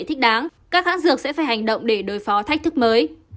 thích đáng các hãng dược sẽ phải hành động để đối phó thách thức mới